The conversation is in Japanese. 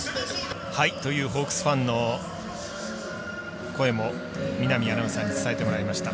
というホークスファンの声も見浪アナウンサーに伝えてもらいました。